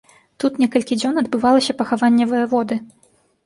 Тут некалькі дзён адбывалася пахаванне ваяводы.